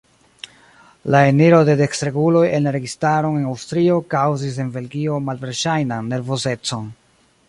La eniro de dekstreguloj en la registaron en Aŭstrio kaŭzis en Belgio malverŝajnan nervozecon.